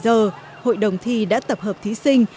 từ bảy giờ hội đồng thi đã tập hợp thí sinh